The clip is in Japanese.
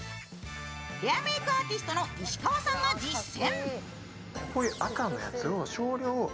ヘアメイクアーティストの石川さんが実践。